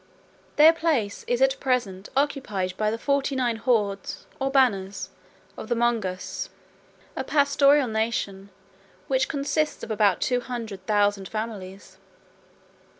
Their place is at present occupied by the forty nine Hords or Banners of the Mongous, a pastoral nation, which consists of about two hundred thousand families.